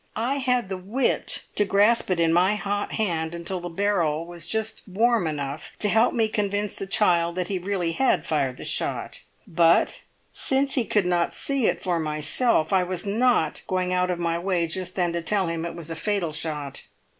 I had the wit to grasp it in my hot hand until the barrel was just warm enough to help me convince the child that he really had fired the shot; but, since he could not see it for myself, I was not going out of my way just then to tell him it was a fatal shot.